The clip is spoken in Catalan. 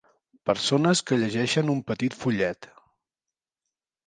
Persones que llegeixen un petit fullet.